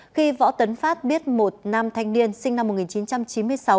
khi võ tấn phát biết một nam thanh niên sinh năm một nghìn chín trăm chín mươi sáu